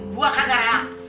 buah kagak rela